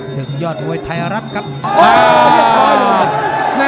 ตอนนั้น